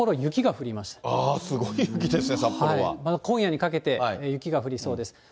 今夜にかけて、雪が降りそうです。